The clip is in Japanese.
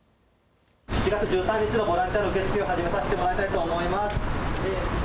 ７月１３日のボランティア受け付けを始めさせていただきたいと思います。